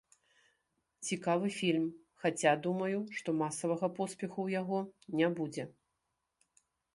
Цікавы фільм, хаця, думаю, што масавага поспеху ў яго не будзе.